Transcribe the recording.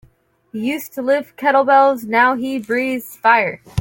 He used to lift kettlebells now he breathes fire.